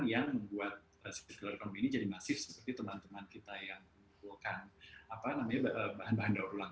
yang membuat sipil ekonomi ini jadi masif seperti teman teman kita yang mengumpulkan bahan bahan daur ulang